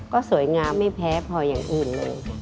ก็สวยงามไม่แพ้พออย่างอื่นเลย